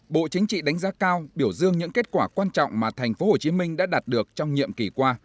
bộ chính trị đánh giá cao biểu dương những kết quả quan trọng mà tp hcm đã đạt được trong nhiệm kỳ qua